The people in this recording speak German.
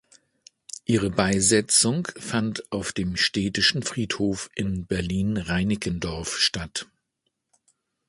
Ihre Beisetzung fand auf dem Städtischen Friedhof in Berlin-Reinickendorf statt.